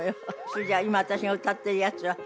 それじゃ「今私が歌ってるやつは？」。